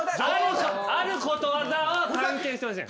あることわざを探検してほしい。